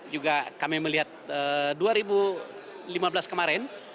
juga kami melihat dua ribu lima belas kemarin